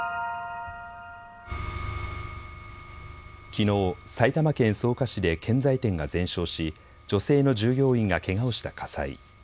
きのう、埼玉県草加市で建材店が全焼し女性の従業員がけがをした火災。